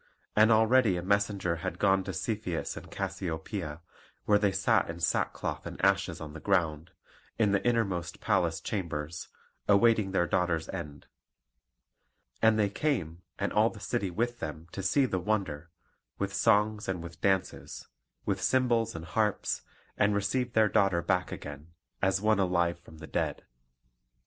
And already a messenger had gone to Cepheus and Cassiopoeia, where they sat in sackcloth and ashes on the ground, in the innermost palace chambers, awaiting their daughter's end. And they came, and all the city with them, to see the wonder, with songs and with dances, with cymbals and harps, and received their daughter back again, as one alive from the dead.